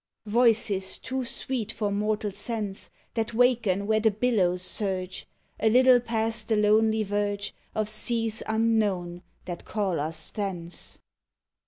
Voices too sweet for mortal sense, That waken where the billows surge A little past the lonely verge Of seas unknown that call us thence.